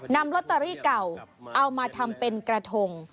นำลอตเตอรี่เก่าเอามาทำเป็นกระทง